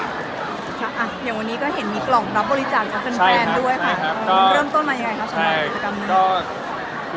อย่างวันนี้ก็เห็นมีกล่องรับบริจาคทั้งเพื่อนด้วยค่ะ